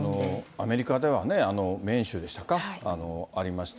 アメリカではね、メーン州でしたか、ありました。